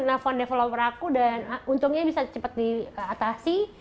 karena aku nelfon developer aku dan untungnya bisa cepat diatasi